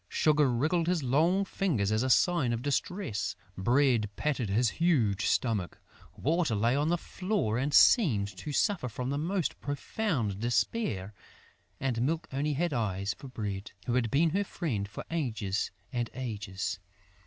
Sugar wriggled his long fingers as a sign of distress; Bread patted his huge stomach; Water lay on the floor and seemed to suffer from the most profound despair; and Milk only had eyes for Bread, who had been her friend for ages and ages.